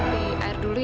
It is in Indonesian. di airnya dulu